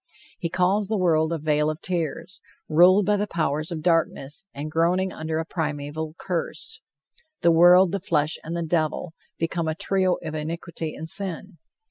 He calls the world a "vale of tears," ruled by the powers of darkness, and groaning under a primeval curse. "The world, the flesh and the devil" become a trio of iniquity and sin.